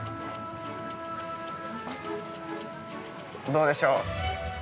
◆どうでしょう。